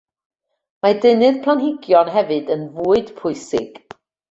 Mae deunydd planhigion hefyd yn fwyd pwysig.